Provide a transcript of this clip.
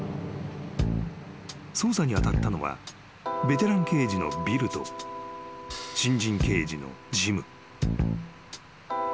［捜査に当たったのはベテラン刑事のビルと新人刑事のジム］